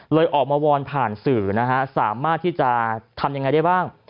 ออกมาวอนผ่านสื่อนะฮะสามารถที่จะทำยังไงได้บ้าง